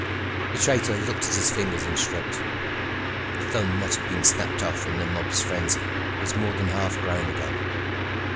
The traitor looked at his fingers and shrugged. The thumb that had been snapped off in the mob's frenzy was more than half grown again.